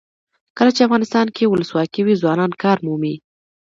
کله چې افغانستان کې ولسواکي وي ځوانان کار مومي.